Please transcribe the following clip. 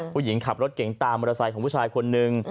ผู้หญิงขับรถเก่งตามอุตส่ายของผู้ชายคนนึง